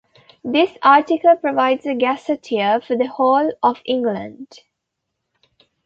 This article provides a gazetteer for the whole of England.